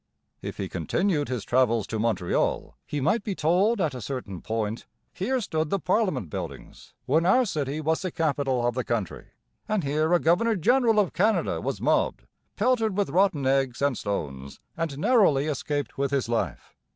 If he continued his travels to Montreal, he might be told, at a certain point, 'Here stood the Parliament Buildings, when our city was the capital of the country; and here a governor general of Canada was mobbed, pelted with rotten eggs and stones, and narrowly escaped with his life.'